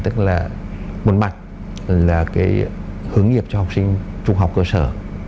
tức là một mặt là cái hướng nghiệp cho học sinh trung học cơ sở